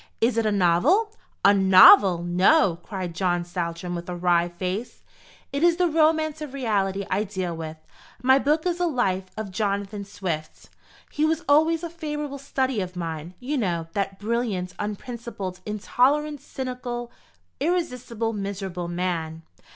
"Is it a novel?" "A novel! no!" cried John Saltram, with a wry face; "it is the romance of reality I deal with. My book is a Life of Jonathan Swift. He was always a favourite study of mine, you know, that brilliant, unprincipled, intolerant, cynical, irresistible, miserable man.